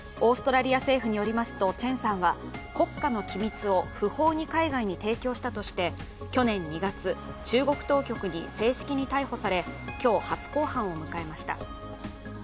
オーストラリア政府によりますとチェンさんは国家の機密を不法に海外に提供したとして去年２月、中国当局に正式に逮捕され今日、初公判を迎えました。